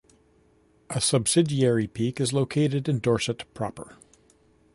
A subsidiary peak is located in Dorset proper.